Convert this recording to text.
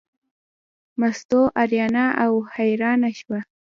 مستو اریانه او حیرانه شوه.